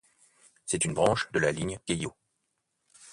C'est une branche de la ligne Keiō.